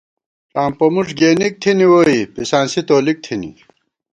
ڄامپہ مُݭ گېنِک تھنی، ووئی پِسانسی تولِک تھنی